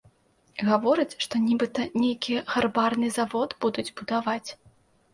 Гавораць, што нібыта нейкі гарбарны завод будуць будаваць.